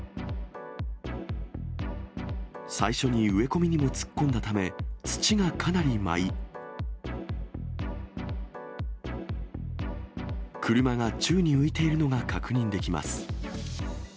最初に植え込みにも突っ込んだため、土がかなり舞い、車が宙に浮いているのが確認できます。